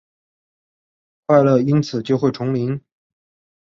快乐因此就会重临？